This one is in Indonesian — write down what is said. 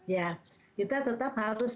ya kita tetap harus